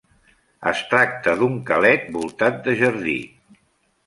Es tracta d'un calet voltat de jardí.